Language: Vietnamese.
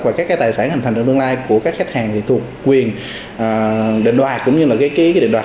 và các cái tài sản hành thành trong tương lai của các khách hàng thì thuộc quyền định đoạt